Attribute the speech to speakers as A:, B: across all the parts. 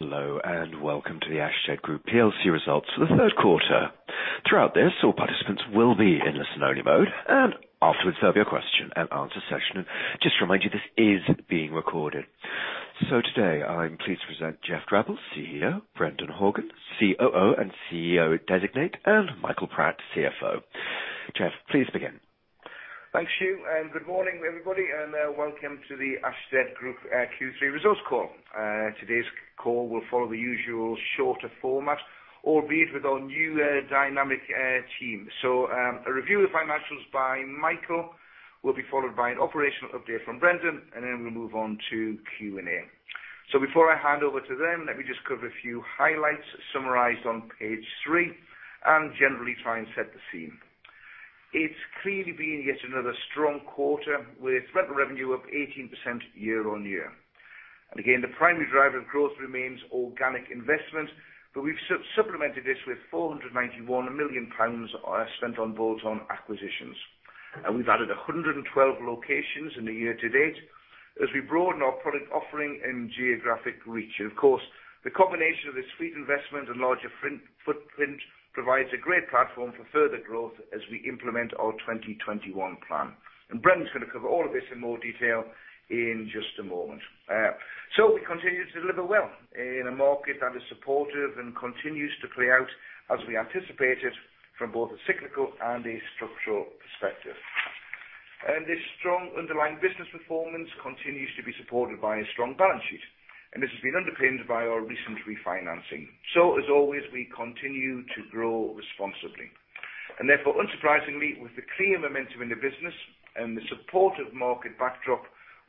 A: Hello, welcome to the Ashtead Group plc results for the third quarter. Throughout this, all participants will be in listen only mode, afterwards there'll be a question and answer session. Just to remind you, this is being recorded. Today I'm pleased to present Geoff Drabble, CEO, Brendan Horgan, COO and CEO Designate, and Michael Pratt, CFO. Geoff, please begin.
B: Thanks, Hugh, good morning, everybody, welcome to the Ashtead Group Q3 results call. Today's call will follow the usual shorter format, albeit with our new dynamic team. A review of financials by Michael will be followed by an operational update from Brendan, then we'll move on to Q&A. Before I hand over to them, let me just cover a few highlights summarized on page three, generally try and set the scene. It's clearly been yet another strong quarter with rental revenue up 18% year-over-year. Again, the primary driver of growth remains organic investment, but we've supplemented this with 491 million pounds spent on bolt-on acquisitions. We've added 112 locations in the year to date as we broaden our product offering and geographic reach. Of course, the combination of this fleet investment and larger footprint provides a great platform for further growth as we implement our Project 2021. Brendan's going to cover all of this in more detail in just a moment. We continue to deliver well in a market that is supportive and continues to play out as we anticipated from both a cyclical and a structural perspective. This strong underlying business performance continues to be supported by a strong balance sheet, this has been underpinned by our recent refinancing. As always, we continue to grow responsibly. Therefore, unsurprisingly, with the clear momentum in the business and the supportive market backdrop,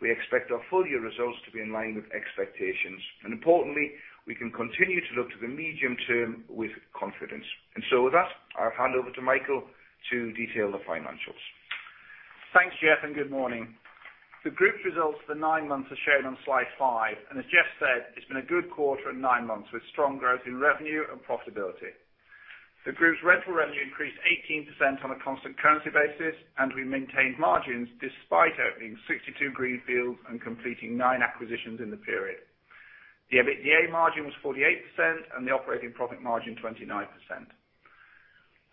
B: we expect our full-year results to be in line with expectations. Importantly, we can continue to look to the medium term with confidence. With that, I'll hand over to Michael to detail the financials.
C: Thanks, Geoff, and good morning. The group's results for the nine months are shown on slide five, and as Geoff said, it's been a good quarter and nine months with strong growth in revenue and profitability. The group's rental revenue increased 18% on a constant currency basis, and we maintained margins despite opening 62 greenfields and completing nine acquisitions in the period. The EBITDA margin was 48% and the operating profit margin 29%.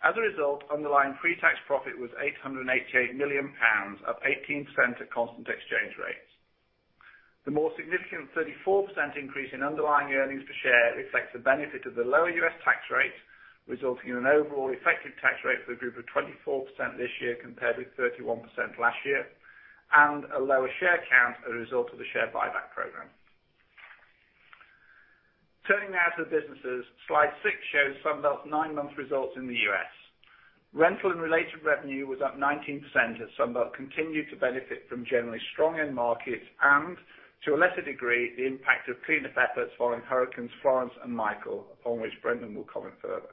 C: As a result, underlying pre-tax profit was 888 million pounds, up 18% at constant exchange rates. The more significant 34% increase in underlying earnings per share reflects the benefit of the lower U.S. tax rate, resulting in an overall effective tax rate for the group of 24% this year, compared with 31% last year, and a lower share count as a result of the share buyback program. Turning now to the businesses, slide six shows Sunbelt nine-month results in the U.S. Rental and related revenue was up 19% as Sunbelt continued to benefit from generally strong end markets and, to a lesser degree, the impact of cleanup efforts following Hurricane Florence and Michael, on which Brendan will comment further.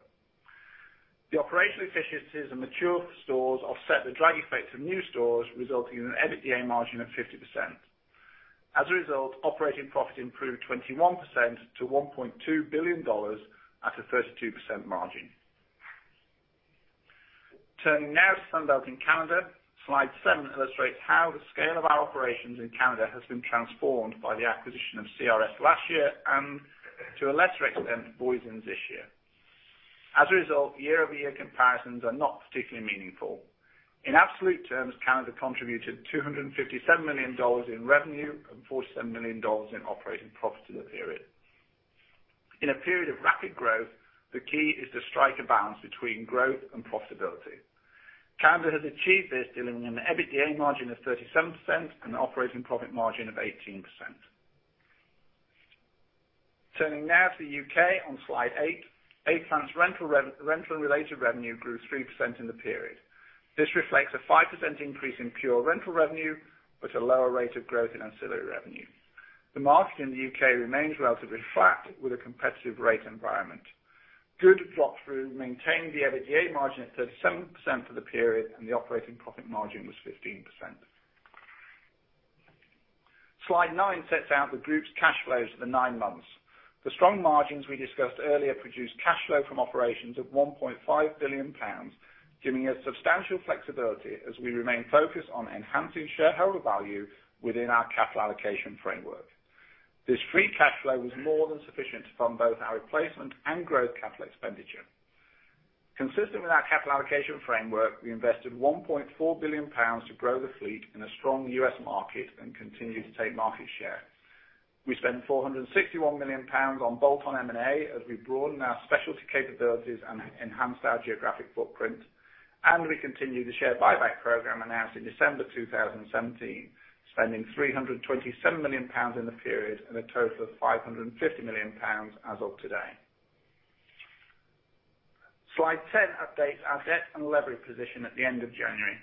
C: The operational efficiencies and mature stores offset the drag effects of new stores, resulting in an EBITDA margin of 50%. As a result, operating profit improved 21% to $1.2 billion at a 32% margin. Turning now to Sunbelt in Canada, slide seven illustrates how the scale of our operations in Canada has been transformed by the acquisition of CRS last year and, to a lesser extent, Voisin's this year. As a result, year-over-year comparisons are not particularly meaningful. In absolute terms, Canada contributed GBP 257 million in revenue and GBP 47 million in operating profit in the period. In a period of rapid growth, the key is to strike a balance between growth and profitability. Canada has achieved this, delivering an EBITDA margin of 37% and an operating profit margin of 18%. Turning now to the U.K. on slide eight, A-Plant's rental and related revenue grew 3% in the period. This reflects a 5% increase in pure rental revenue, but a lower rate of growth in ancillary revenue. The market in the U.K. remains relatively flat with a competitive rate environment. Good drop-through maintained the EBITDA margin at 37% for the period, and the operating profit margin was 15%. Slide nine sets out the group's cash flows for the nine months. The strong margins we discussed earlier produced cash flow from operations of 1.5 billion pounds, giving us substantial flexibility as we remain focused on enhancing shareholder value within our capital allocation framework. This free cash flow was more than sufficient to fund both our replacement and growth capital expenditure. Consistent with our capital allocation framework, we invested 1.4 billion pounds to grow the fleet in a strong U.S. market and continue to take market share. We spent 461 million pounds on bolt-on M&A as we broaden our specialty capabilities and enhance our geographic footprint, and we continue the share buyback program announced in December 2017, spending GBP 327 million in the period and a total of 550 million pounds as of today. Slide 10 updates our debt and leverage position at the end of January.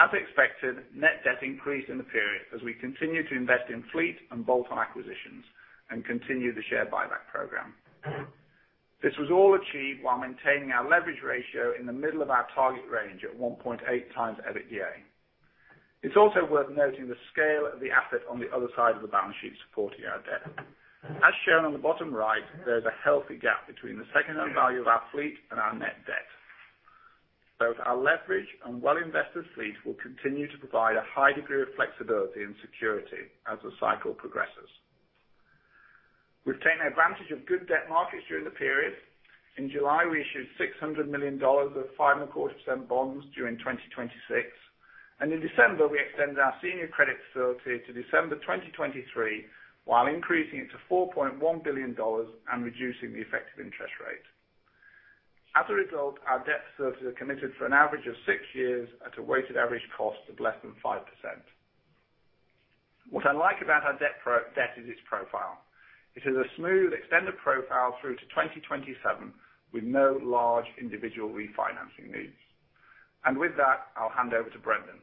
C: As expected, net debt increased in the period as we continue to invest in fleet and bolt-on acquisitions and continue the share buyback program. This was all achieved while maintaining our leverage ratio in the middle of our target range at 1.8 times EBITDA. It's also worth noting the scale of the asset on the other side of the balance sheet supporting our debt. As shown on the bottom right, there's a healthy gap between the secondary value of our fleet and our net debt. Both our leverage and well-invested fleet will continue to provide a high degree of flexibility and security as the cycle progresses. We've taken advantage of good debt markets during the period. In July, we issued $600 million of 5.25% bonds due 2026, and in December, we extended our senior credit facility to December 2023, while increasing it to $4.1 billion and reducing the effective interest rate. As a result, our debt facilities are committed for an average of six years at a weighted average cost of less than 5%. What I like about our debt is its profile. It is a smooth, extended profile through to 2027 with no large individual refinancing needs. With that, I'll hand over to Brendan.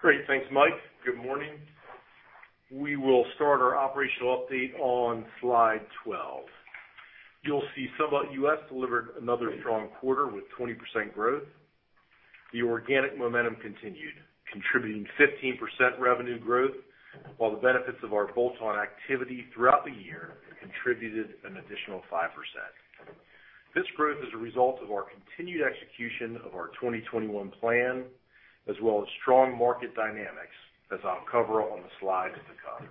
D: Great. Thanks, Mike. Good morning. We will start our operational update on slide 12. You'll see Sunbelt US delivered another strong quarter with 20% growth. The organic momentum continued, contributing 15% revenue growth, while the benefits of our bolt-on activity throughout the year contributed an additional 5%. This growth is a result of our continued execution of our 2021 Plan, as well as strong market dynamics, as I'll cover on the slides to come.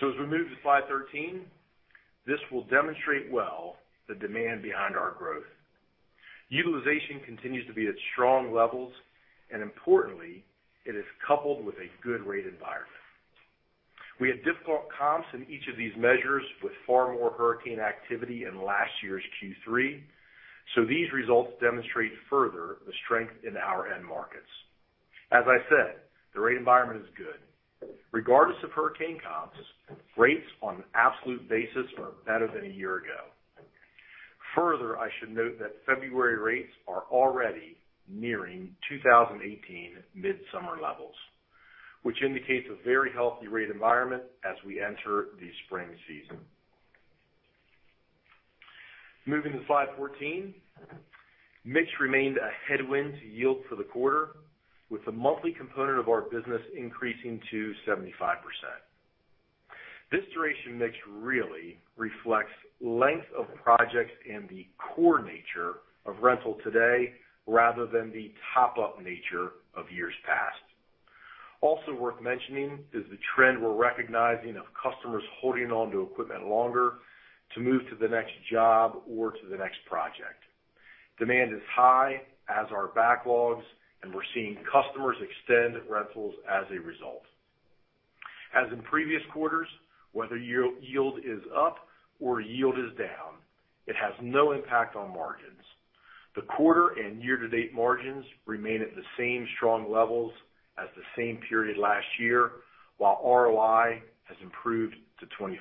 D: As we move to slide 13, this will demonstrate well the demand behind our growth. Utilization continues to be at strong levels, and importantly, it is coupled with a good rate environment. We had difficult comps in each of these measures with far more hurricane activity in last year's Q3. These results demonstrate further the strength in our end markets. As I said, the rate environment is good. Regardless of hurricane comps, rates on an absolute basis are better than a year ago. Further, I should note that February rates are already nearing 2018 midsummer levels, which indicates a very healthy rate environment as we enter the spring season. Moving to slide 14. Mix remained a headwind yield for the quarter, with the monthly component of our business increasing to 75%. This duration mix really reflects length of projects and the core nature of rental today, rather than the top-up nature of years past. Also worth mentioning is the trend we're recognizing of customers holding on to equipment longer to move to the next job or to the next project. Demand is high, as are backlogs, and we're seeing customers extend rentals as a result. As in previous quarters, whether yield is up or yield is down, it has no impact on margins. The quarter and year-to-date margins remain at the same strong levels as the same period last year, while ROI has improved to 24%.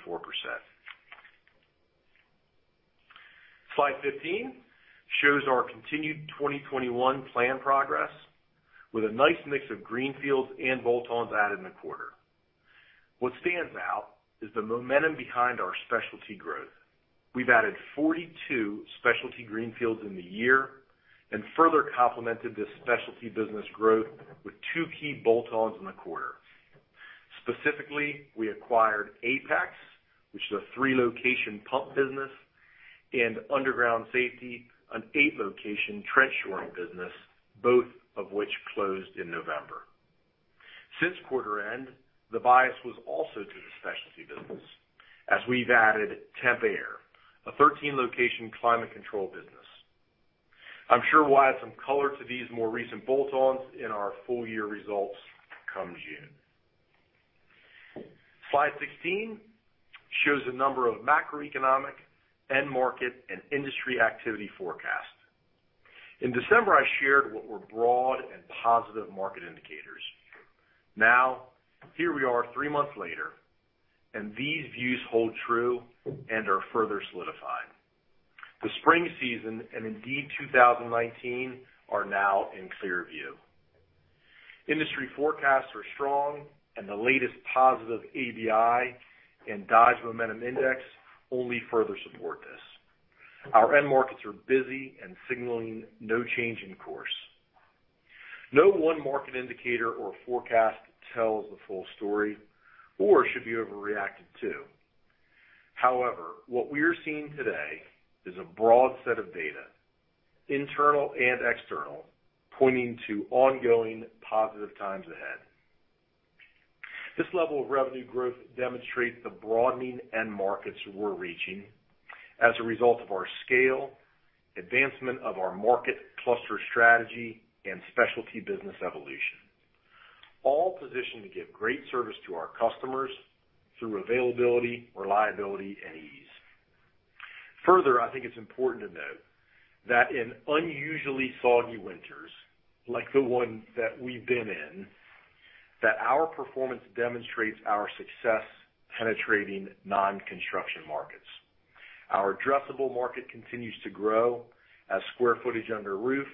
D: Slide 15 shows our continued 2021 plan progress with a nice mix of greenfields and bolt-ons added in the quarter. What stands out is the momentum behind our specialty growth. We've added 42 specialty greenfields in the year and further complemented this specialty business growth with two key bolt-ons in the quarter. Specifically, we acquired Apex, which is a three-location pump business, and Underground Safety, an eight-location trench shoring business, both of which closed in November. Since quarter end, the bias was also to the specialty business as we've added Temp-Air, a 13-location climate control business. I'm sure we'll add some color to these more recent bolt-ons in our full-year results come June. Slide 16 shows the number of macroeconomic, end market, and industry activity forecasts. In December, I shared what were broad and positive market indicators. Now, here we are three months later, these views hold true and are further solidified. The spring season, and indeed 2019, are now in clear view. Industry forecasts are strong, and the latest positive ABI and Dodge Momentum Index only further support this. Our end markets are busy and signaling no change in course. No one market indicator or forecast tells the full story or should be overreacted to. However, what we're seeing today is a broad set of data, internal and external, pointing to ongoing positive times ahead. This level of revenue growth demonstrates the broadening end markets we're reaching as a result of our scale, advancement of our market cluster strategy, and specialty business evolution. All positioned to give great service to our customers through availability, reliability, and ease. Further, I think it's important to note that in unusually soggy winters, like the one that we've been in, that our performance demonstrates our success penetrating non-construction markets. Our addressable market continues to grow as square footage under roof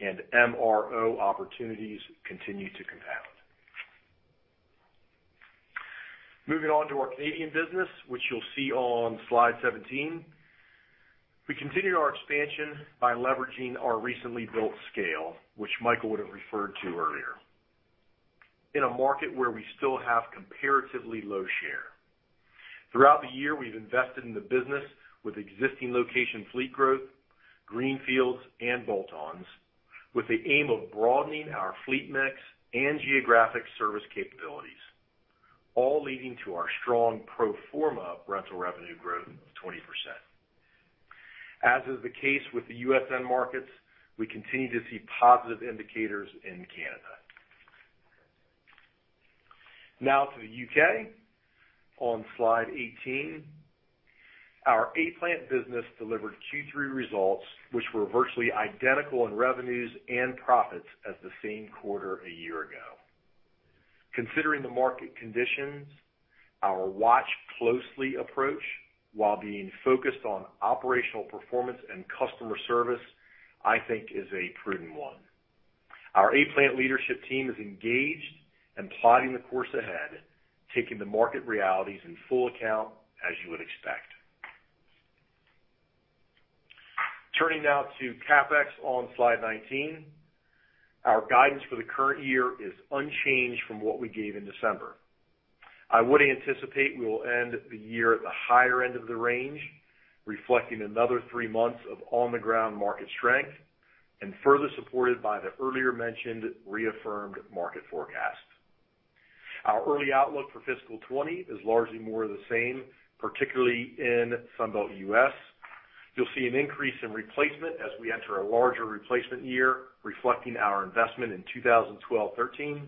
D: and MRO opportunities continue to compound. Moving on to our Canadian business, which you'll see on slide 17. We continued our expansion by leveraging our recently built scale, which Michael would have referred to earlier. In a market where we still have comparatively low share. Throughout the year, we've invested in the business with existing location fleet growth, greenfields and bolt-ons, with the aim of broadening our fleet mix and geographic service capabilities, all leading to our strong pro forma rental revenue growth of 20%. As is the case with the U.S. end markets, we continue to see positive indicators in Canada. Now to the U.K. on slide 18. Our A-Plant business delivered Q3 results, which were virtually identical in revenues and profits as the same quarter a year ago. Considering the market conditions, our watch closely approach, while being focused on operational performance and customer service, I think is a prudent one. Our A-Plant leadership team is engaged and plotting the course ahead, taking the market realities in full account, as you would expect. Turning now to CapEx on slide 19. Our guidance for the current year is unchanged from what we gave in December. I would anticipate we will end the year at the higher end of the range, reflecting another three months of on-the-ground market strength and further supported by the earlier mentioned reaffirmed market forecast. Our early outlook for fiscal 2020 is largely more of the same, particularly in Sunbelt US. You'll see an increase in replacement as we enter a larger replacement year, reflecting our investment in 2012-2013,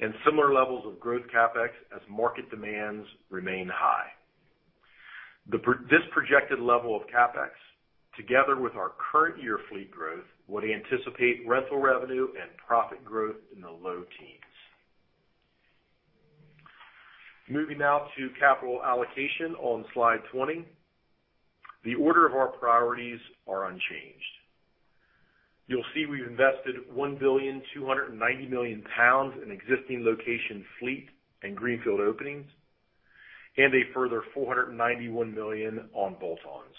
D: and similar levels of growth CapEx as market demands remain high. This projected level of CapEx, together with our current year fleet growth, would anticipate rental revenue and profit growth in the low teens. Moving now to capital allocation on slide 20. The order of our priorities are unchanged. You'll see we've invested 1.29 billion pounds in existing location fleet and greenfield openings, and a further 491 million on bolt-ons.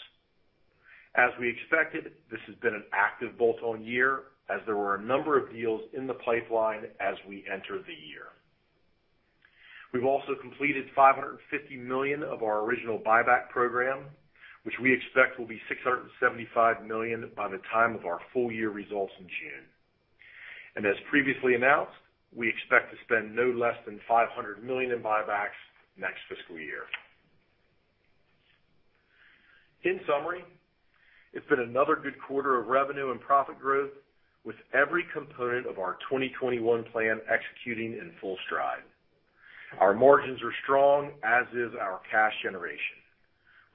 D: As we expected, this has been an active bolt-on year, as there were a number of deals in the pipeline as we entered the year. We've also completed 550 million of our original buyback program, which we expect will be 675 million by the time of our full-year results in June. As previously announced, we expect to spend no less than 500 million in buybacks next fiscal year. In summary, it's been another good quarter of revenue and profit growth, with every component of our 2021 plan executing in full stride. Our margins are strong, as is our cash generation,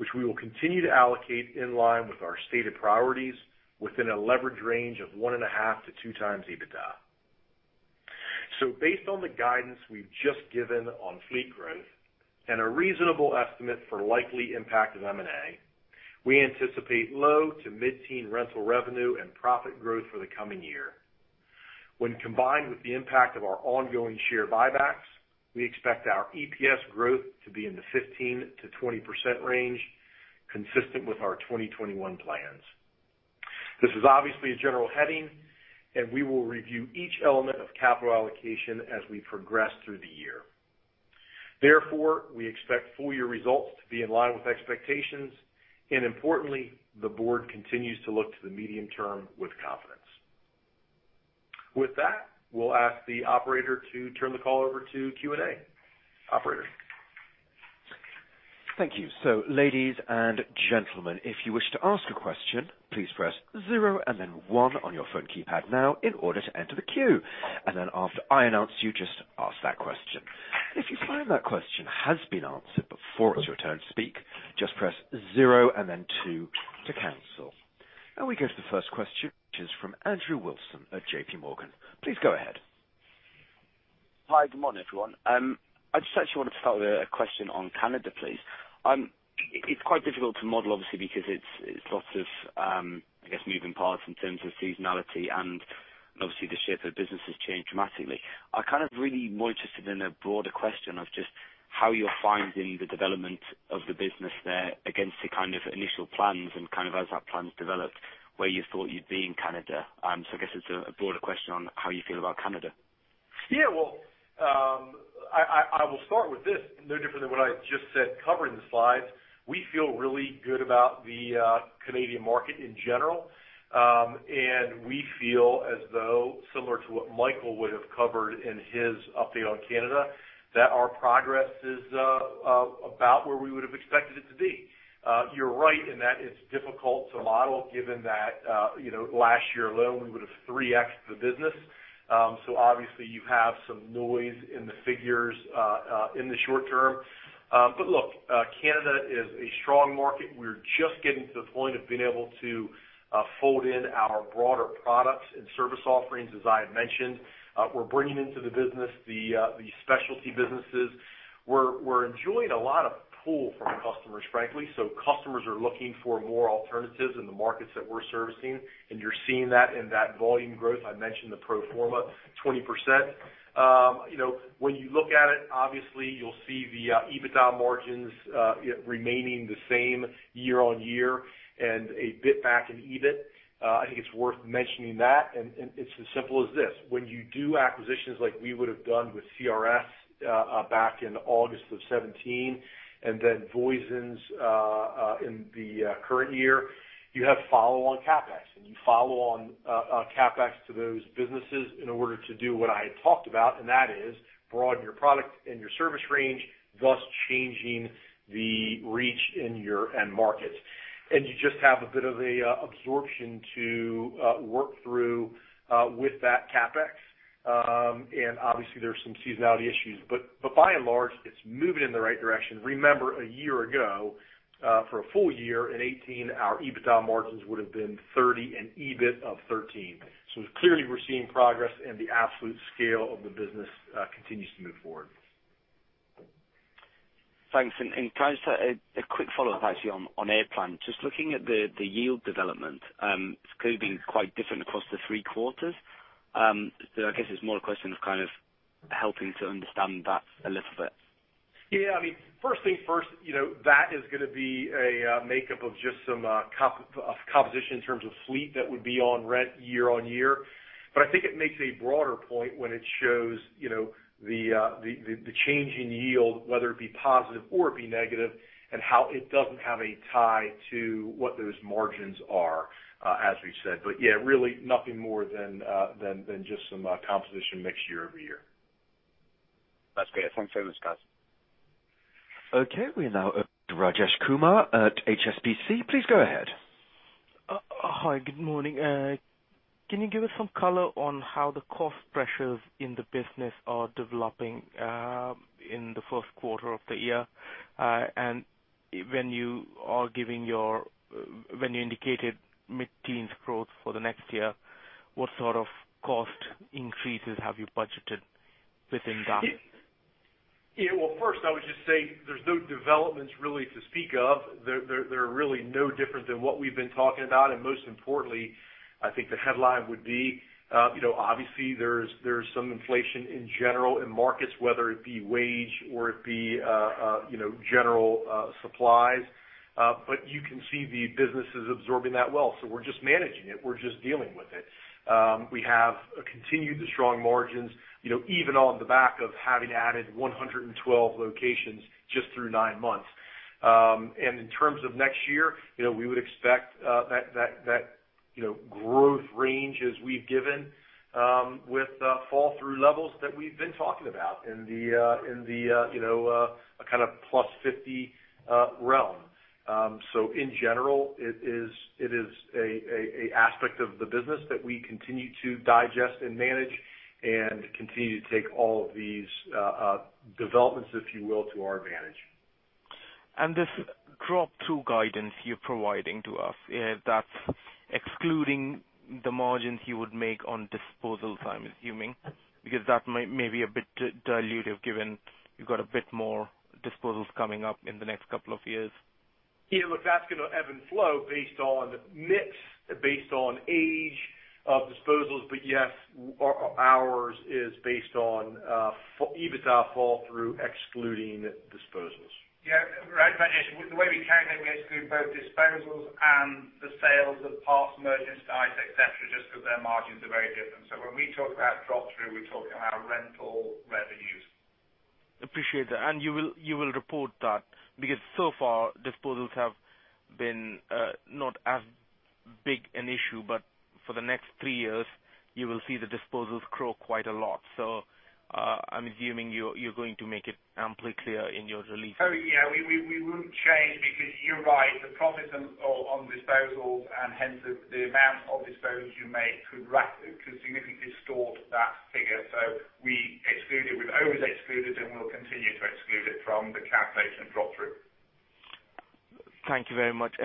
D: which we will continue to allocate in line with our stated priorities within a leverage range of 1.5 to 2 times EBITDA. Based on the guidance we've just given on fleet growth and a reasonable estimate for likely impact of M&A, we anticipate low to mid-teen rental revenue and profit growth for the coming year. When combined with the impact of our ongoing share buybacks, we expect our EPS growth to be in the 15%-20% range, consistent with our 2021 plans. This is obviously a general heading, we will review each element of capital allocation as we progress through the year. We expect full-year results to be in line with expectations, importantly, the board continues to look to the medium term with confidence. With that, we'll ask the operator to turn the call over to Q&A. Operator?
A: Thank you. Ladies and gentlemen, if you wish to ask a question, please press zero and then 1 on your phone keypad now in order to enter the queue. After I announce you, just ask that question. If you find that question has been answered before it's your turn to speak, just press zero and then 2 to cancel. We go to the first question, which is from Andrew Wilson at JPMorgan. Please go ahead.
E: Hi, good morning, everyone. I just actually wanted to start with a question on Canada, please. It's quite difficult to model, obviously, because it's lots of moving parts in terms of seasonality and obviously the shape of the business has changed dramatically. I kind of really more interested in a broader question of just how you're finding the development of the business there against the kind of initial plans and kind of as that plan's developed, where you thought you'd be in Canada. I guess it's a broader question on how you feel about Canada.
D: I will start with this, no different than what I just said covering the slides. We feel really good about the Canadian market in general, and we feel as though similar to what Michael would have covered in his update on Canada, that our progress is about where we would have expected it to be. You're right in that it's difficult to model given that last year alone, we would have 3X'd the business. Obviously you have some noise in the figures in the short term. Look, Canada is a strong market. We're just getting to the point of being able to fold in our broader products and service offerings as I had mentioned. We're bringing into the business the specialty businesses. We're enjoying a lot of pull from customers, frankly. Customers are looking for more alternatives in the markets that we're servicing, and you're seeing that in that volume growth. I mentioned the pro forma 20%. When you look at it, obviously you'll see the EBITDA margins remaining the same year-on-year and a bit back in EBIT. I think it's worth mentioning that, it's as simple as this. When you do acquisitions like we would have done with CRS back in August of 2017 and then Voisin's in the current year, you have follow-on CapEx. You follow on CapEx to those businesses in order to do what I had talked about, and that is broaden your product and your service range, thus changing the reach in your end markets. You just have a bit of an absorption to work through with that CapEx. Obviously there are some seasonality issues. By and large, it's moving in the right direction. Remember, a year ago, for a full year in 2018, our EBITDA margins would have been 30% and EBIT of 13%. Clearly we're seeing progress and the absolute scale of the business continues to move forward.
E: Thanks. Can I just add a quick follow-up actually on A-Plant. Just looking at the yield development, it's clearly been quite different across the three quarters. I guess it's more a question of kind of helping to understand that a little bit.
D: Yeah. First things first, that is going to be a makeup of just some composition in terms of fleet that would be on rent year-on-year. I think it makes a broader point when it shows the change in yield, whether it be positive or it be negative, and how it doesn't have a tie to what those margins are, as we've said. Yeah, really nothing more than just some composition mix year-over-year.
E: That's great. Thanks very much, guys.
A: Okay, we're now over to Rajesh Kumar at HSBC. Please go ahead.
F: Hi, good morning. Can you give us some color on how the cost pressures in the business are developing in the first quarter of the year? When you indicated mid-teens growth for the next year, what sort of cost increases have you budgeted within that?
D: Yeah. Well, first I would just say there's no developments really to speak of. They're really no different than what we've been talking about. Most importantly, I think the headline would be, obviously there's some inflation in general in markets, whether it be wage or it be general supplies. You can see the business is absorbing that well. We're just managing it. We're just dealing with it. We have continued the strong margins, even on the back of having added 112 locations just through nine months. In terms of next year, we would expect that growth range as we've given, with fall-through levels that we've been talking about in the kind of plus 50 realm. In general, it is an aspect of the business that we continue to digest and manage and continue to take all of these developments, if you will, to our advantage.
F: This drop-through guidance you're providing to us, that's excluding the margins you would make on disposals, I'm assuming. Because that may be a bit dilutive given you've got a bit more disposals coming up in the next couple of years.
D: Yeah. Look, that's going to ebb and flow based on mix, based on age of disposals. Yes, ours is based on EBITDA fall-through excluding disposals.
C: Yeah. Rajesh, the way we calculate it, we exclude both disposals and the sales of parts merchandise, et cetera, just because their margins are very different. When we talk about drop-through, we're talking about rental revenues.
F: Appreciate that. You will report that? So far, disposals have been not as big an issue, but for the next three years, you will see the disposals grow quite a lot. I'm assuming you're going to make it amply clear in your releases.
C: Oh, yeah. We wouldn't change because you're right, the profits on disposals and hence the amount of disposals you make could significantly distort that figure. We've always excluded and we'll continue to exclude it from the calculation of drop-through.
F: Thank you very much.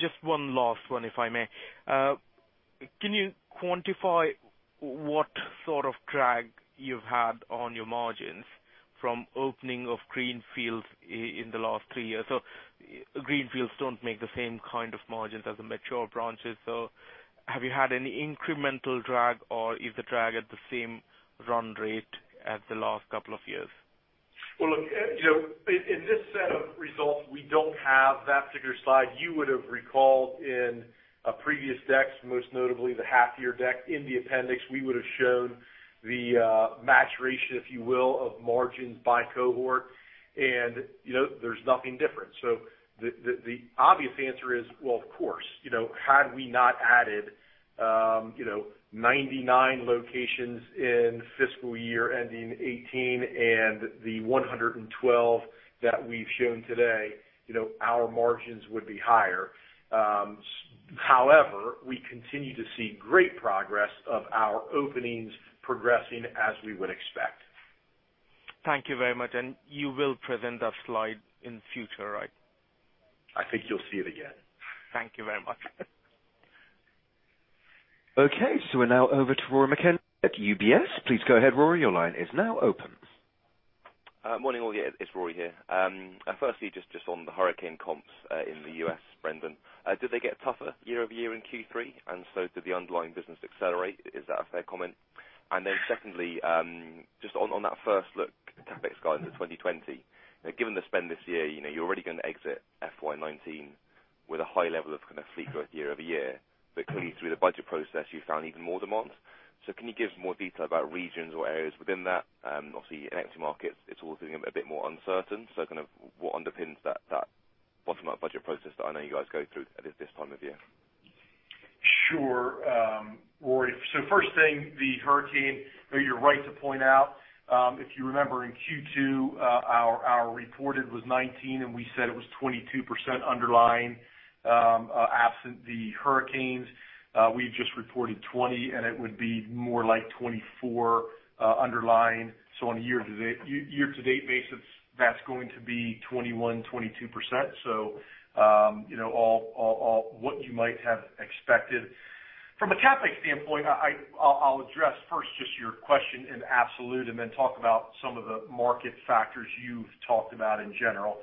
F: Just one last one, if I may. Can you quantify what sort of drag you've had on your margins from opening of greenfields in the last three years? Greenfields don't make the same kind of margins as the mature branches. Have you had any incremental drag or is the drag at the same run rate as the last couple of years?
D: Well, look, in this set of results, we don't have that particular slide. You would have recalled in previous decks, most notably the half year deck, in the appendix, we would have shown the maturation, if you will, of margins by cohort. There's nothing different. The obvious answer is, well, of course. Had we not added 99 locations in fiscal year ending 2018 and the 112 that we've shown today, our margins would be higher. However, we continue to see great progress of our openings progressing as we would expect.
F: Thank you very much. You will present that slide in future, right?
D: I think you'll see it again.
F: Thank you very much.
A: Okay, we're now over to Rory McKenzie at UBS. Please go ahead, Rory, your line is now open.
G: Morning, all. Yeah, it's Rory here. Firstly, just on the hurricane comps in the U.S., Brendan, did they get tougher year-over-year in Q3? Did the underlying business accelerate? Is that a fair comment? Secondly, just on that first look CapEx guidance for 2020. Given the spend this year, you're already going to exit FY 2019 with a high level of kind of fleet growth year-over-year. Clearly through the budget process, you found even more demand. Can you give more detail about regions or areas within that? Obviously in ex markets, it's all getting a bit more uncertain. Kind of what underpins that bottom-up budget process that I know you guys go through at this time of year?
D: Sure. Rory, first thing, the hurricane, you're right to point out. If you remember, in Q2, our reported was 19, and we said it was 22% underlying. Absent the hurricanes, we've just reported 20, and it would be more like 24 underlying. On a year-to-date basis, that's going to be 21%-22%. What you might have expected. From a CapEx standpoint, I'll address first just your question in absolute, talk about some of the market factors you've talked about in general.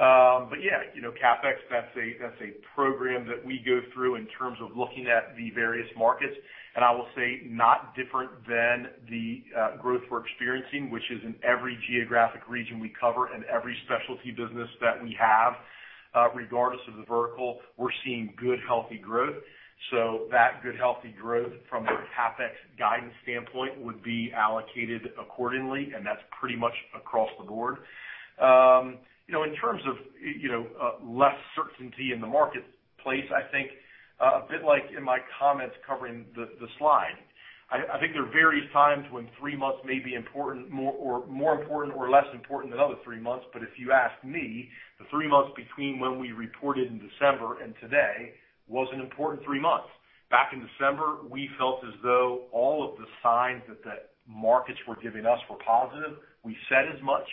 D: Yeah, CapEx, that's a program that we go through in terms of looking at the various markets, and I will say not different than the growth we're experiencing, which is in every geographic region we cover and every specialty business that we have. Regardless of the vertical, we're seeing good, healthy growth. That good, healthy growth from a CapEx guidance standpoint would be allocated accordingly, and that's pretty much across the board. In terms of less certainty in the marketplace, I think a bit like in my comments covering the slide, I think there are various times when three months may be more important or less important than other three months. If you ask me, the three months between when we reported in December and today was an important three months. Back in December, we felt as though all of the signs that the markets were giving us were positive. We said as much.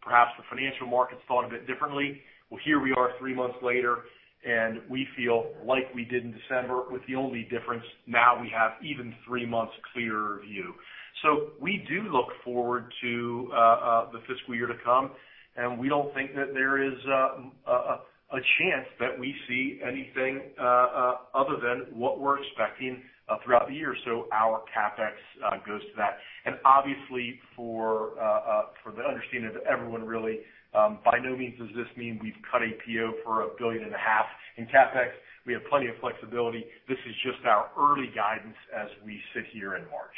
D: Perhaps the financial markets thought a bit differently. Well, here we are three months later, we feel like we did in December with the only difference, now we have even three months clearer view. We do look forward to the fiscal year to come, and we don't think that there is a chance that we see anything other than what we're expecting throughout the year. Our CapEx goes to that. Obviously for the understanding of everyone, really, by no means does this mean we've cut a PO for a billion and a half in CapEx. We have plenty of flexibility. This is just our early guidance as we sit here in March.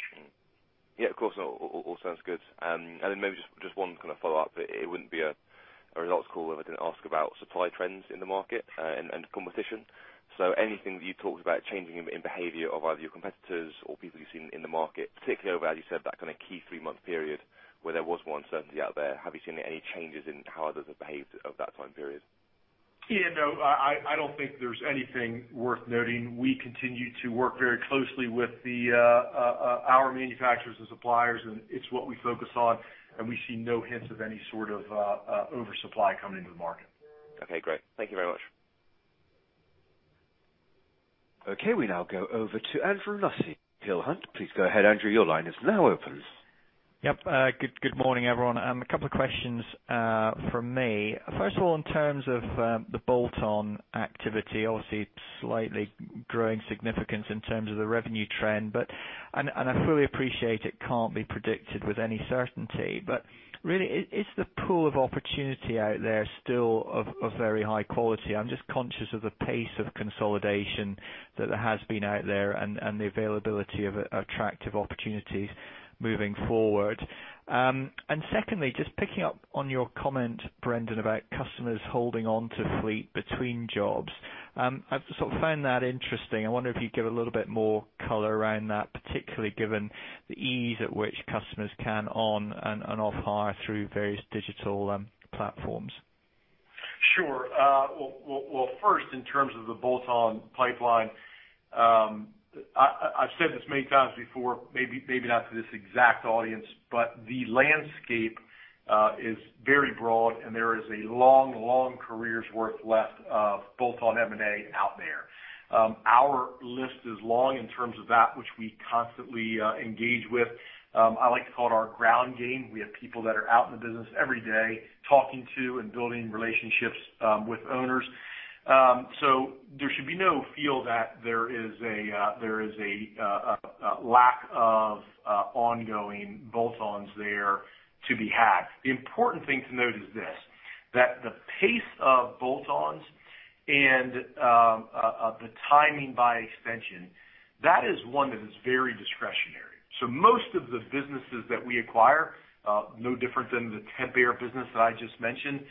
G: Yeah, of course. All sounds good. Maybe just one kind of follow-up. It wouldn't be a results call if I didn't ask about supply trends in the market and competition. Anything that you talked about changing in behavior of either your competitors or people you've seen in the market, particularly over, as you said, that kind of key three-month period where there was more uncertainty out there. Have you seen any changes in how others have behaved over that time period?
D: Yeah, no, I don't think there's anything worth noting. We continue to work very closely with our manufacturers and suppliers, and it's what we focus on, and we see no hints of any sort of oversupply coming into the market.
G: Okay, great. Thank you very much.
A: Okay, we now go over to Andrew Nussey, Peel Hunt. Please go ahead, Andrew. Your line is now open.
E: Yep. Good morning, everyone. A couple of questions from me. First of all, in terms of the bolt-on activity, obviously it's slightly growing significance in terms of the revenue trend. I fully appreciate it can't be predicted with any certainty, but really, is the pool of opportunity out there still of very high quality? I'm just conscious of the pace of consolidation that there has been out there and the availability of attractive opportunities moving forward. Secondly, just picking up on your comment, Brendan, about customers holding onto fleet between jobs. I've sort of found that interesting. I wonder if you'd give a little bit more color around that, particularly given the ease at which customers can on and off hire through various digital platforms.
D: Sure. Well, first, in terms of the bolt-on pipeline, I've said this many times before, maybe not to this exact audience, but the landscape is very broad, and there is a long career's worth left of bolt-on M&A out there. Our list is long in terms of that which we constantly engage with. I like to call it our ground game. We have people that are out in the business every day talking to and building relationships with owners. There should be no feel that there is a lack of ongoing bolt-ons there to be had. The important thing to note is this, that the pace of bolt-ons and the timing by extension, that is one that is very discretionary. Most of the businesses that we acquire, no different than the Temp-Air business that I just mentioned,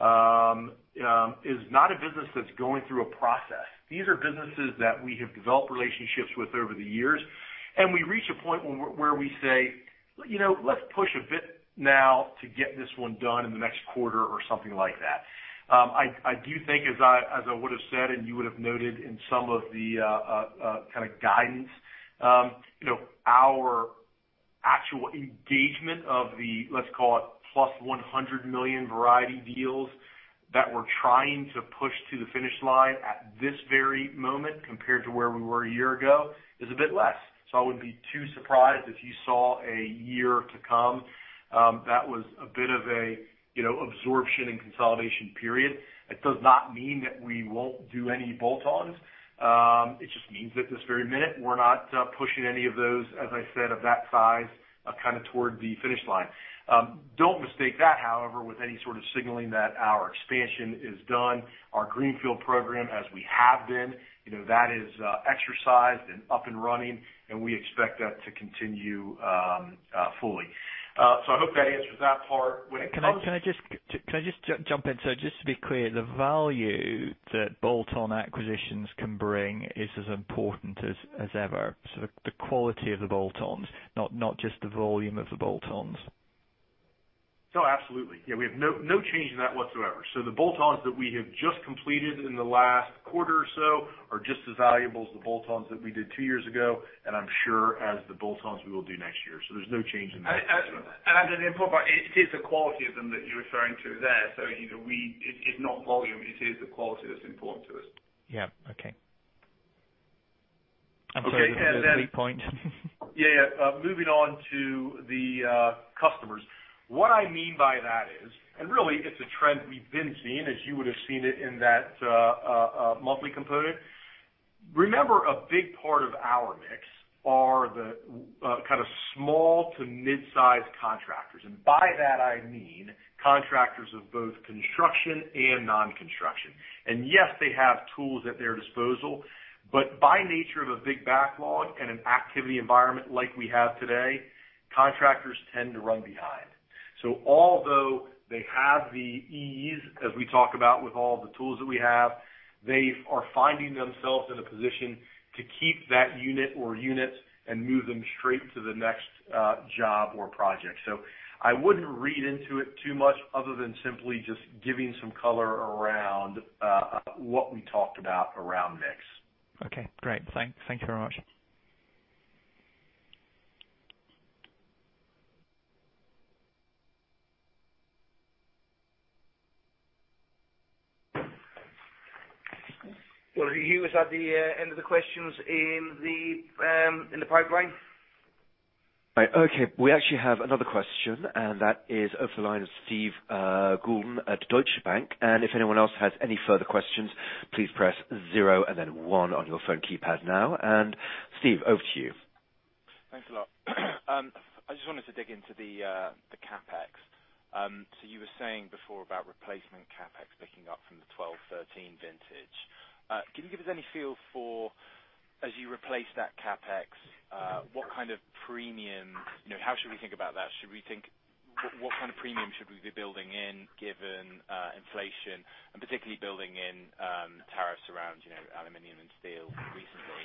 D: is not a business that's going through a process. These are businesses that we have developed relationships with over the years, we reach a point where we say, "Let's push a bit now to get this one done in the next quarter," or something like that. I do think, as I would've said, and you would have noted in some of the kind of guidance, our actual engagement of the, let's call it, plus 100 million variety deals that we're trying to push to the finish line at this very moment compared to where we were a year ago is a bit less. I wouldn't be too surprised if you saw a year to come that was a bit of a absorption and consolidation period. It does not mean that we won't do any bolt-ons. It just means that this very minute we're not pushing any of those, as I said, of that size kind of toward the finish line. Don't mistake that, however, with any sort of signaling that our expansion is done. Our greenfield program, as we have been, that is exercised and up and running, and we expect that to continue fully. I hope that answers that part.
H: Can I just jump in? Just to be clear, the value that bolt-on acquisitions can bring is as important as ever. The quality of the bolt-ons, not just the volume of the bolt-ons.
D: No, absolutely. Yeah, we have no change in that whatsoever. The bolt-ons that we have just completed in the last quarter or so are just as valuable as the bolt-ons that we did two years ago, and I'm sure as the bolt-ons we will do next year. There's no change in that.
B: As an important part, it is the quality of them that you're referring to there. It's not volume, it is the quality that's important to us.
E: Yeah. Okay. I'm sorry, there's a weak point.
D: Yeah. Moving on to the customers. What I mean by that is, really, it's a trend we've been seeing, as you would have seen it in that monthly component. Remember, a big part of our mix are the kind of small to mid-size contractors. By that, I mean contractors of both construction and non-construction. Yes, they have tools at their disposal, but by nature of a big backlog and an activity environment like we have today, contractors tend to run behind. Although they have the ease, as we talk about with all the tools that we have, they are finding themselves in a position to keep that unit or units and move them straight to the next job or project. I wouldn't read into it too much other than simply just giving some color around what we talked about around mix.
E: Okay, great. Thank you very much.
B: Well, Hugh, is that the end of the questions in the pipeline?
A: Right. Okay. We actually have another question. That is over the line of Steve Goulden at Deutsche Bank. If anyone else has any further questions, please press zero and then one on your phone keypad now. Steve, over to you.
H: Thanks a lot. I just wanted to dig into the CapEx. You were saying before about replacement CapEx picking up from the 2012, 2013 vintage. Can you give us any feel for, as you replace that CapEx, what kind of premium? How should we think about that? What kind of premium should we be building in, given inflation and particularly building in tariffs around aluminum and steel recently?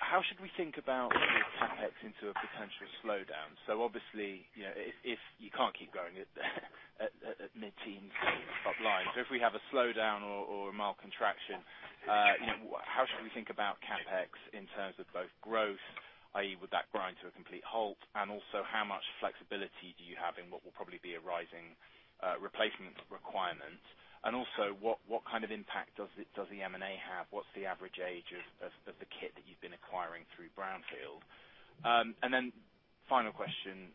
H: How should we think about the CapEx into a potential slowdown? Obviously, if you can't keep going at mid-teens top line. If we have a slowdown or a mild contraction, how should we think about CapEx in terms of both growth, i.e., would that grind to a complete halt? Also, how much flexibility do you have in what will probably be a rising replacement requirement? Also, what kind of impact does the M&A have? What's the average age of the kit that you've been acquiring through bolt-on? Final question,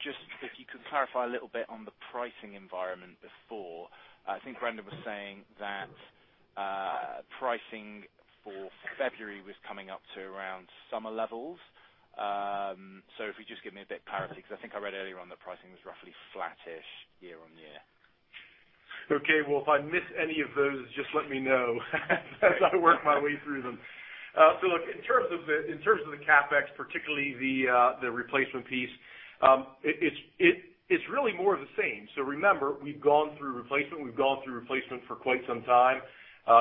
H: just if you could clarify a little bit on the pricing environment before. I think Brendan was saying that pricing for February was coming up to around summer levels. If you just give me a bit of clarity, because I think I read earlier on that pricing was roughly flattish year-on-year.
D: Okay. Well, if I miss any of those, just let me know as I work my way through them. Look, in terms of the CapEx, particularly the replacement piece, it's really more of the same. Remember, we've gone through replacement. We've gone through replacement for quite some time.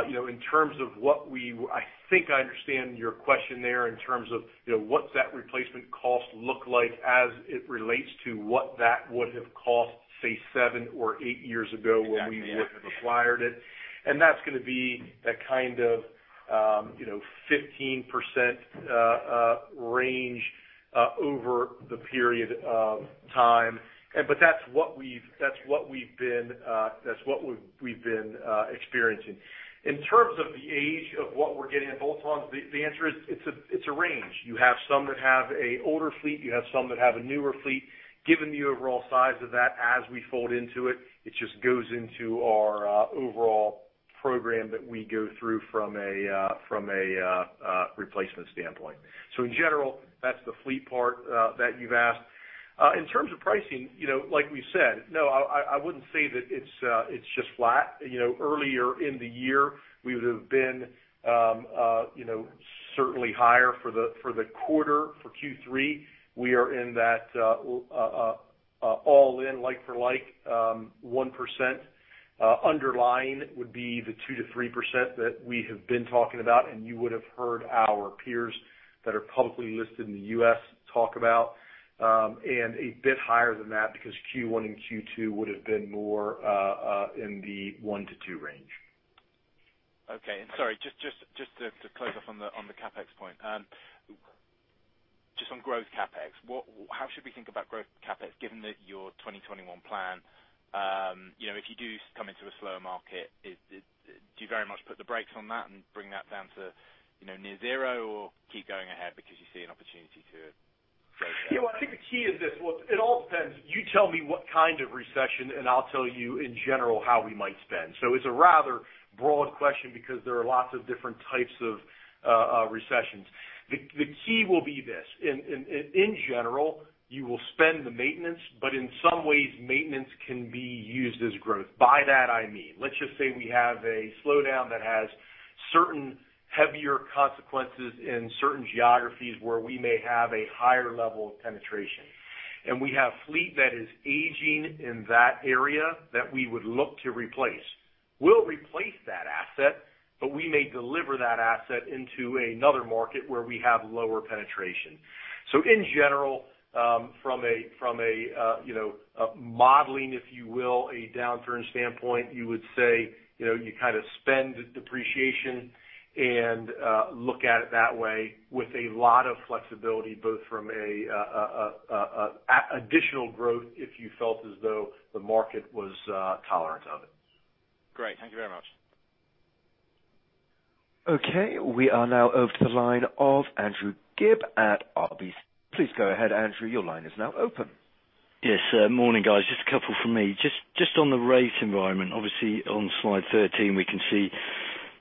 D: In terms of what I think I understand your question there in terms of what's that replacement cost look like as it relates to what that would have cost, say, seven or eight years ago when we would have acquired it. That's going to be that kind of 15% range over the period of time. That's what we've been experiencing. In terms of the age of what we're getting in bolt-ons, the answer is it's a range. You have some that have an older fleet, you have some that have a newer fleet. Given the overall size of that as we fold into it just goes into our overall program that we go through from a replacement standpoint. In general, that's the fleet part that you've asked. In terms of pricing, like we said, no, I wouldn't say that it's just flat. Earlier in the year, we would have been certainly higher for the quarter. For Q3, we are in that all-in like for like 1%. Underlying would be the 2%-3% that we have been talking about, and you would have heard our peers that are publicly listed in the U.S. talk about, and a bit higher than that because Q1 and Q2 would have been more in the one to two range.
H: Okay. Sorry, just to close off on the CapEx point. Just on growth CapEx, how should we think about growth CapEx, given that your Project 2021? If you do come into a slower market, do you very much put the brakes on that and bring that down to near zero, or keep going ahead because you see an opportunity to grow there?
D: Well, I think the key is this. Well, it all depends. You tell me what kind of recession, and I'll tell you in general how we might spend. It's a rather broad question because there are lots of different types of recessions. The key will be this. In general, you will spend the maintenance, but in some ways, maintenance can be used as growth. By that, I mean, let's just say we have a slowdown that has certain heavier consequences in certain geographies where we may have a higher level of penetrationAnd we have fleet that is aging in that area that we would look to replace. We'll replace that asset, but we may deliver that asset into another market where we have lower penetration. In general, from a modeling, if you will, a downturn standpoint, you would say, you spend depreciation and look at it that way with a lot of flexibility, both from additional growth, if you felt as though the market was tolerant of it.
B: Great. Thank you very much.
A: Okay. We are now over to the line of Andrew Gibb at RBC. Please go ahead, Andrew. Your line is now open.
I: Yes, sir. Morning, guys. Just a couple from me. Just on the rate environment, obviously on slide 13, we can see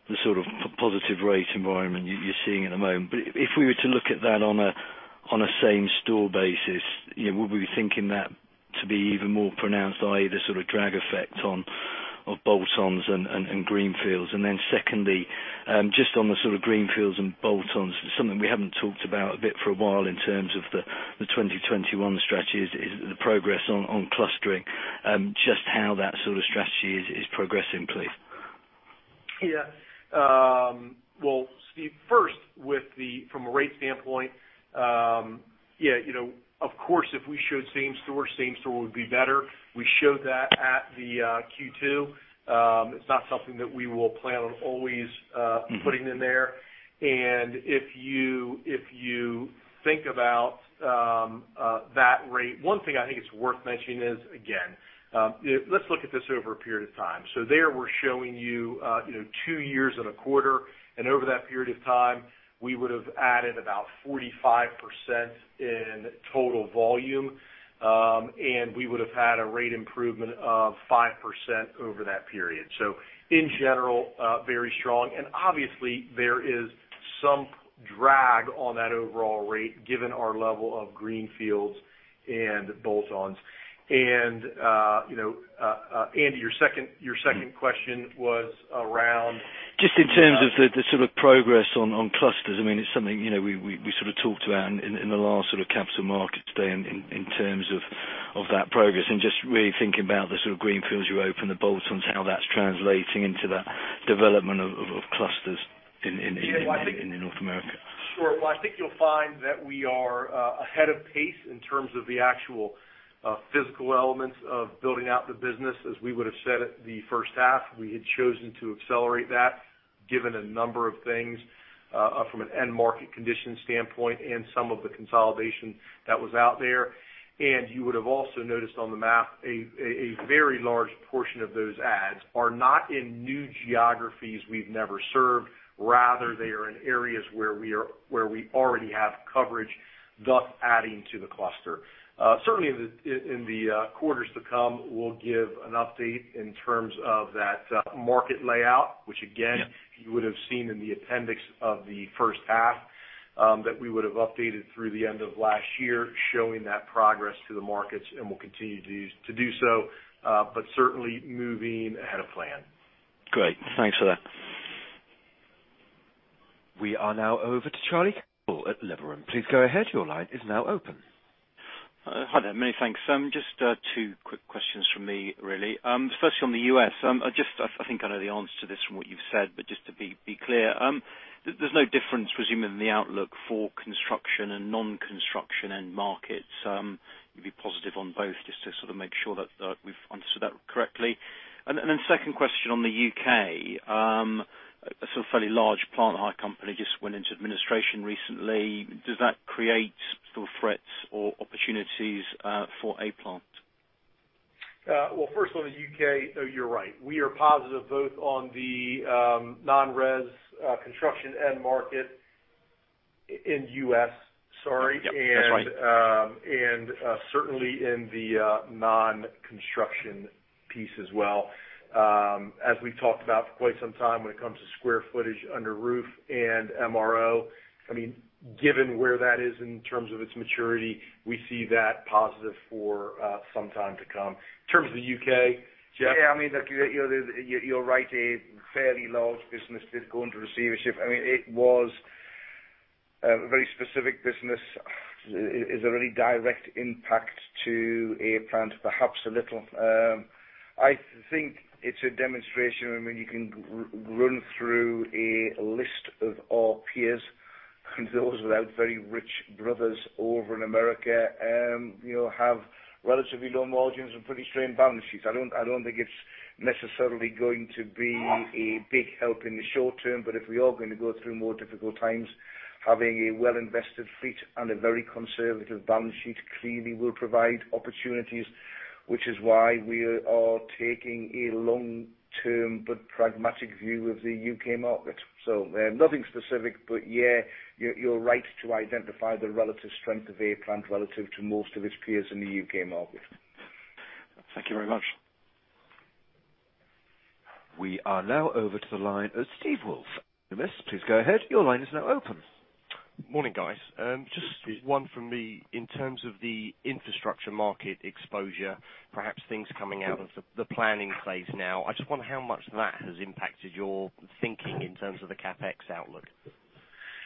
I: the sort of positive rate environment you're seeing at the moment. If we were to look at that on a same store basis, would we be thinking that to be even more pronounced, i.e., the sort of drag effect of bolt-ons and greenfields? Secondly, just on the sort of greenfields and bolt-ons, something we haven't talked about a bit for a while in terms of the 2021 strategies is the progress on clustering and just how that sort of strategy is progressing, please.
D: Well, Steve, first from a rate standpoint, of course, if we showed same store, same store would be better. We showed that at the Q2. It's not something that we will plan on always putting in there. If you think about that rate, one thing I think it's worth mentioning is, again, let's look at this over a period of time. There we're showing you two years and a quarter, and over that period of time, we would've added about 45% in total volume. We would have had a rate improvement of 5% over that period. In general, very strong. Obviously, there is some drag on that overall rate given our level of greenfields and bolt-ons. Andy, your second question was around-
I: Just in terms of the sort of progress on clusters. I mean, it's something we sort of talked about in the last sort of capital markets day in terms of that progress and just really thinking about the sort of greenfields you open, the bolt-ons, how that's translating into that development of clusters in North America.
D: Sure. Well, I think you'll find that we are ahead of pace in terms of the actual physical elements of building out the business. As we would've said at the first half, we had chosen to accelerate that given a number of things, from an end market condition standpoint and some of the consolidation that was out there. You would have also noticed on the map a very large portion of those adds are not in new geographies we've never served. Rather, they are in areas where we already have coverage, thus adding to the cluster. Certainly in the quarters to come, we'll give an update in terms of that market layout, which again, you would have seen in the appendix of the first half, that we would have updated through the end of last year showing that progress to the markets, and we'll continue to do so. Certainly moving ahead of plan.
I: Great. Thanks for that.
A: We are now over to Charlie Campbell at Liberum. Please go ahead. Your line is now open.
J: Hi there. Many thanks. Just two quick questions from me really. Firstly, on the U.S., I think I know the answer to this from what you've said, but just to be clear, there's no difference, presumably, in the outlook for construction and non-construction end markets. You'd be positive on both, just to sort of make sure that we've understood that correctly. Then second question on the U.K. A sort of fairly large plant hire company just went into administration recently. Does that create sort of threats or opportunities for A-Plant?
D: Well, first one in U.K., you're right, we are positive both on the non-res construction end market in U.S., sorry.
J: Yep. That's right.
D: Certainly in the non-construction piece as well. As we've talked about for quite some time, when it comes to square footage under roof and MRO, I mean, given where that is in terms of its maturity, we see that positive for some time to come. In terms of the U.K., Geoff?
B: Yeah, you're right. A fairly large business did go into receivership. I mean, it was a very specific business. Is a really direct impact to A-Plant? Perhaps a little. I think it's a demonstration. I mean, you can run through a list of our peers and those without very rich brothers over in America have relatively low margins and pretty strained balance sheets. I don't think it's necessarily going to be a big help in the short term, but if we are going to go through more difficult times, having a well-invested fleet and a very conservative balance sheet clearly will provide opportunities, which is why we are taking a long-term but pragmatic view of the U.K. market. Nothing specific, but yeah, you're right to identify the relative strength of A-Plant relative to most of its peers in the U.K. market.
J: Thank you very much.
A: We are now over to the line of Steve Woolf, Numis. Please go ahead. Your line is now open.
K: Morning, guys.
D: Steve.
K: Just one from me. In terms of the infrastructure market exposure, perhaps things coming out of the planning phase now, I just wonder how much that has impacted your thinking in terms of the CapEx outlook.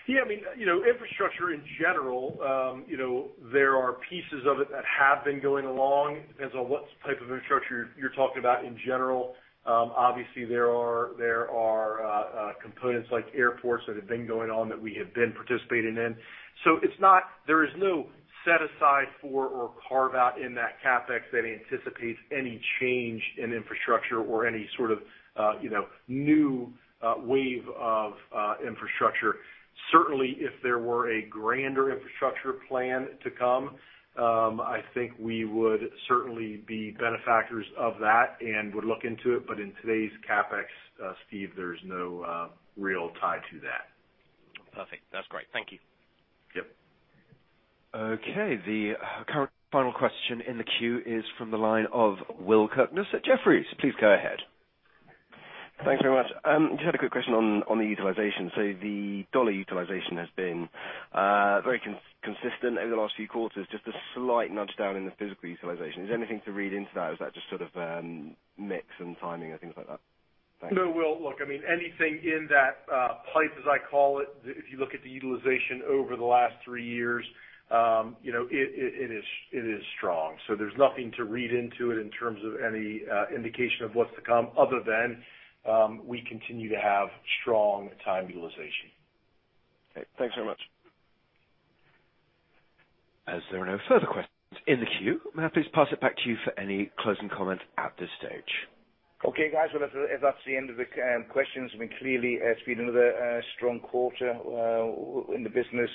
D: Yeah, infrastructure in general, there are pieces of it that have been going along. Depends on what type of infrastructure you're talking about in general. Obviously, there are components like airports that have been going on that we have been participating in. So there is no set aside for or carve out in that CapEx that anticipates any change in infrastructure or any sort of new wave of infrastructure. Certainly, if there were a grander infrastructure plan to come, I think we would certainly be benefactors of that and would look into it. But in today's CapEx, Steve, there's no real tie to that.
K: Perfect. That's great. Thank you.
D: Yep.
A: Okay, the current final question in the queue is from the line of Will Kirkness at Jefferies. Please go ahead.
L: Thanks very much. Just had a quick question on the utilization. The dollar utilization has been very consistent over the last few quarters, just a slight nudge down in the physical utilization. Is there anything to read into that or is that just sort of mix and timing and things like that? Thanks.
D: No, Will. Look, anything in that pipe, as I call it, if you look at the utilization over the last three years, it is strong. There's nothing to read into it in terms of any indication of what's to come other than we continue to have strong time utilization.
L: Okay. Thanks very much.
A: As there are no further questions in the queue, may I please pass it back to you for any closing comment at this stage?
B: Okay, guys, well, if that's the end of the questions, I mean, clearly it's been another strong quarter in the business.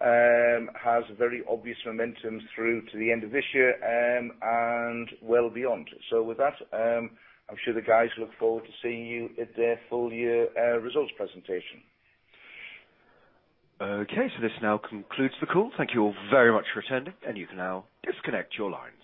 B: It has very obvious momentum through to the end of this year and well beyond. With that, I'm sure the guys look forward to seeing you at their full year results presentation.
A: Okay. This now concludes the call. Thank you all very much for attending, and you can now disconnect your lines.